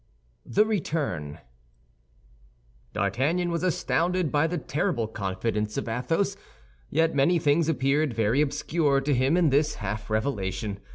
THE RETURN D'Artagnan was astounded by the terrible confidence of Athos; yet many things appeared very obscure to him in this half revelation.